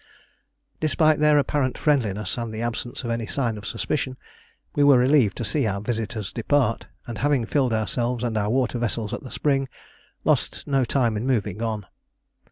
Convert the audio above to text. Despite their apparent friendliness and the absence of any sign of suspicion, we were relieved to see our visitors depart; and having filled ourselves and our water vessels at the spring, lost no time in moving on.